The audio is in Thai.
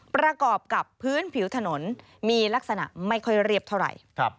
ประกอบกับพื้นผิวถนนมีลักษณะไม่ค่อยเรียบเท่าไหร่